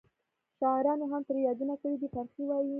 شاعرانو هم ترې یادونه کړې ده. فرخي وایي: